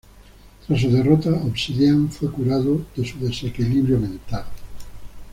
Tras su derrota, Obsidian fue curado de su desequilibrio mental.